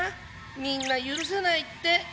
みんな許せないって。